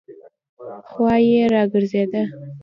خوا یې راګرځېده.